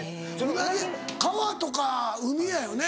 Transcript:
ウナギ川とか海やよね